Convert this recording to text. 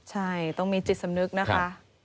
ใช่ต้องมีจิตสำนึกนะคะ